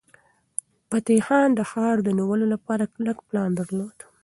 فتح خان د ښار د نیولو لپاره کلک پلان درلود.